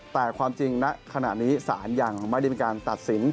แต่ความจริงณขณะนี้ศาลยังไม่ได้มีการตัดสิน